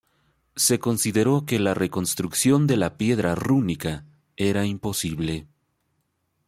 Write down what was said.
Se consideró que la reconstrucción de la piedra rúnica era imposible.